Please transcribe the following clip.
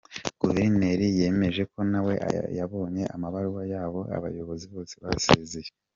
Guverineri yemeje ko nawe yabonye amabaruwa y’abo bayobozi bose basezeye.